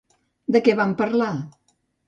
De què van parlar?